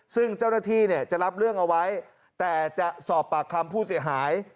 ซึ่งเจ้าหน้าที่เนี่ยจะรับเรื่องเอาไว้แต่จะสอบปากคำผู้เสียหาย